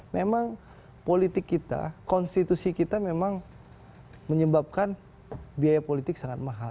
memang politik kita konstitusi kita memang menyebabkan biaya politik sangat mahal